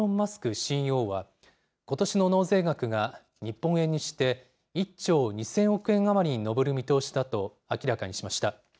ＣＥＯは、ことしの納税額が日本円にして１兆２０００億円余りに上る見通しだと明らかにしました。